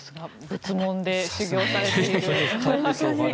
仏門で修行されている。